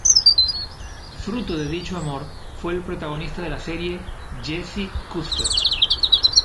Fruto de dicho amor fue el protagonista de la serie, Jesse Custer.